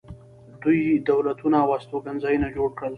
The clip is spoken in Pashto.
دوی دولتونه او استوګنځایونه جوړ کړل.